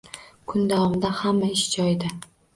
Kun davomida hamma ish joyida